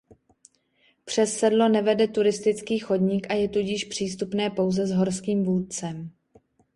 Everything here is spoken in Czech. Přes sedlo nevede turistický chodník a je tudíž přístupné pouze s horským vůdcem.